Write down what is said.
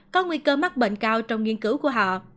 có nguy cơ mắc bệnh cao trong nghiên cứu của họ